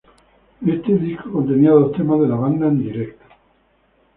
Este disco contenía dos temas de la banda en directo.